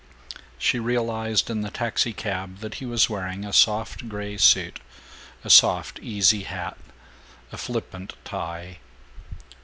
She realized, in the taxicab, that he was wearing a soft gray suit, a soft easy hat, a flippant tie.